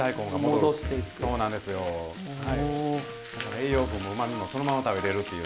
栄養素もうまみもそのまま食べれるっていう。